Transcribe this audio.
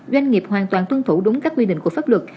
doanh nghiệp hoàn toàn tuân thủ đúng các quy định của pháp luật